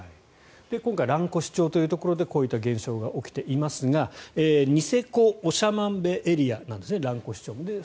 今回蘭越町というところでこういった現象が起きていますがニセコ・長万部エリアなんですね蘭越町。